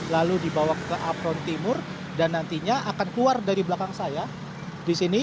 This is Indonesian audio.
lalu dibawa ke apron timur dan nantinya akan keluar dari belakang saya di sini